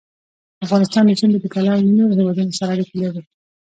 افغانستان د ژمی له پلوه له نورو هېوادونو سره اړیکې لري.